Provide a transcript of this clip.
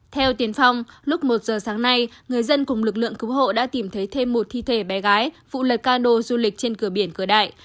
theo tiền phong lúc một giờ sáng nay người dân cùng lực lượng cứu hộ đã tìm thấy thêm một thi thể bé gái phụ lật cano du lịch trên cửa biển cửa đại